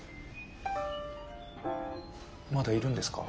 まだいるんですか？